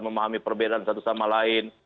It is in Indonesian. memahami perbedaan satu sama lain